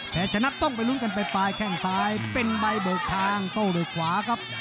แท้ชนะต้องไปลุ้นกันไปปลายแข่งซ้ายเป็นใบโบกทางโต้โดยขวาครับ๙๐๐๐๐